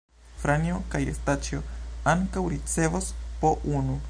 Franjo kaj Staĉjo ankaŭ ricevos po unu.